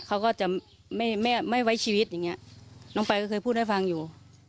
เขาก็จะไม่ไม่ไว้ชีวิตอย่างเงี้ยน้องไปก็เคยพูดให้ฟังอยู่